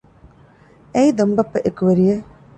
އެއީ ދޮންބައްޕަ އެކުވެރިއެއް